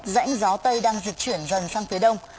rãnh gió tây đang dịch chuyển dần sang phía đông